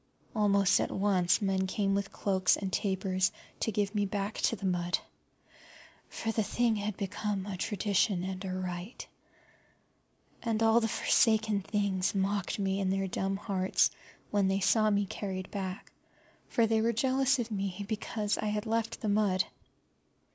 Almost at once men came with cloaks and tapers to give me back to the mud, for the thing had become a tradition and a rite. And all the forsaken things mocked me in their dumb hearts when they saw me carried back, for they were jealous of me because I had left the mud.